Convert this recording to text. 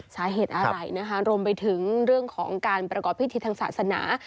สาเหตุอะไรนะคะรวมไปถึงเรื่องของการประกอบพิธีทางศาสนา